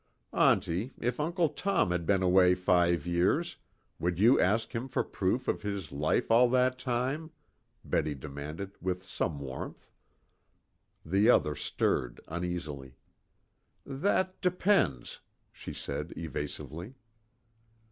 "Auntie, if Uncle Tom had been away five years, would you ask him for proof of his life all that time?" Betty demanded with some warmth. The other stirred uneasily. "That depends," she said evasively.